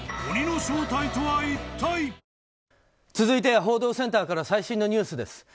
続いては報道センターから最新のニュースです。